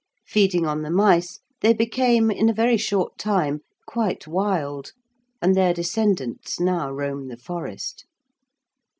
Feeding on the mice, they became, in a very short time, quite wild, and their descendants now roam the forest.